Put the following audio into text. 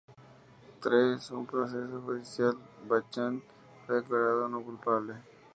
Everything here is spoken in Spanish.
Tras un proceso judicial, Bachchan fue declarado no culpable.